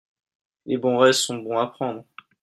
les bons restes sont bons à prendre.